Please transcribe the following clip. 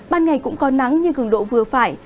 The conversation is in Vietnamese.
ban ngày cũng có nắng nhưng cường độ vừa phải